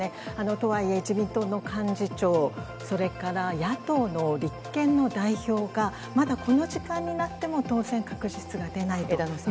とはいえ、自民党の幹事長、それから野党の立憲の代表がまだこの時間になっても当選確実が出枝野さん。